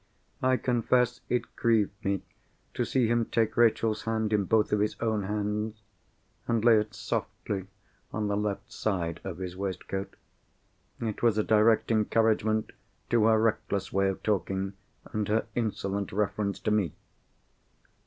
I confess it grieved me to see him take Rachel's hand in both of his own hands, and lay it softly on the left side of his waistcoat. It was a direct encouragement to her reckless way of talking, and her insolent reference to me.